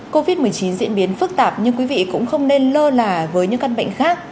covid một mươi chín diễn biến phức tạp nhưng quý vị cũng không nên lơ là với những căn bệnh khác